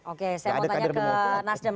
oke saya mau tanya ke nasdem